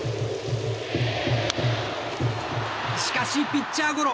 しかし、ピッチャーゴロ。